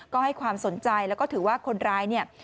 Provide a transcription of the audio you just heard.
ก็ให้ความสนใจแล้วก็ถือว่าคนร้ายเนี่ย